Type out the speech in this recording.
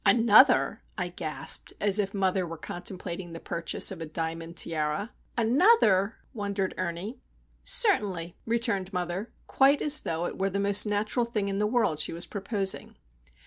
"Another!" I gasped, as if mother were contemplating the purchase of a diamond tiara. "Another!" wondered Ernie. "Certainly," returned mother, quite as though it were the most natural thing in the world she was proposing.